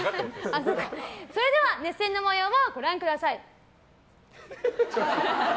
それでは、熱戦の模様をご覧ください。